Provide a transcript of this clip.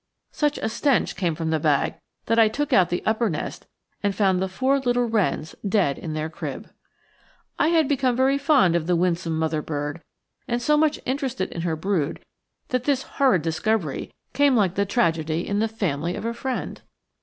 Such a stench came from the bag that I took out the upper nest and found the four little wrens dead in their crib. [Illustration: The Nosebag Nest. (Vigors's Wren.)] I had become very fond of the winsome mother bird, and so much interested in her brood that this horrid discovery came like a tragedy in the family of a friend.